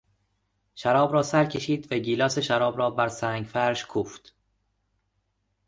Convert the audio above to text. شراب را سر کشید و گیلاس شراب را بر سنگفرش کوفت.